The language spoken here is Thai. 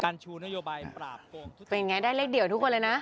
เป็นอย่างไรได้เลขเดี่ยวทุกคนเลยนะ